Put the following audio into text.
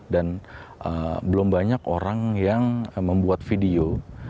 dan belum banyak orang yang membuat video